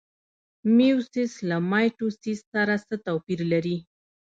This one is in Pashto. میوسیس له مایټوسیس سره څه توپیر لري؟